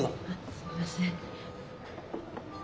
すいません。